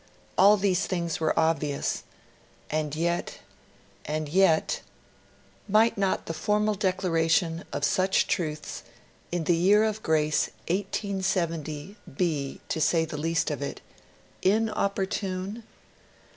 All these things were obvious, and yet and yet might not the formal declaration of such truths in the year of his grace 1870 be, to say the least of it, inopportune?